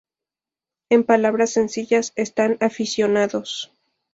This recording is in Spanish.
En palabras sencillas, están aficionados.